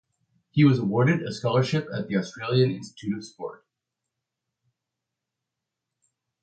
He was awarded a scholarship at the Australian Institute of Sport.